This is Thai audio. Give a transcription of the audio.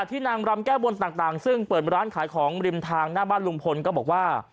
นางรำแก้บนต่างซึ่งเปิดร้านขายของริมทางหน้าบ้านลุงพลก็บอกว่า